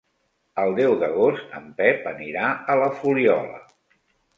El deu d'agost en Pep anirà a la Fuliola.